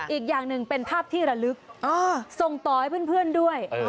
อีกอย่างหนึ่งเป็นภาพที่ระลึกส่งต่อให้เพื่อนด้วย